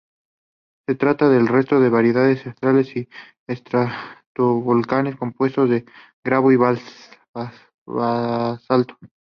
Se trata de restos de varias calderas y estratovolcanes; compuesto de gabro y basalto.